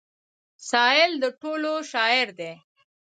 سايل د ټولو شاعر دی.